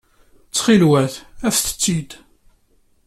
Ttxil-wet, afet-t-id.